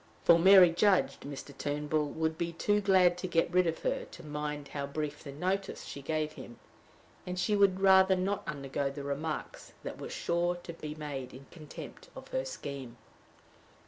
For Mary judged Mr. Turnbull would be too glad to get rid of her to mind how brief the notice she gave him, and she would rather not undergo the remarks that were sure to be made in contempt of her scheme.